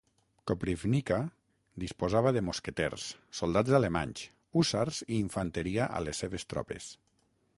Koprivnica disposava de mosqueters, soldats alemanys, hússars i infanteria a les seves tropes.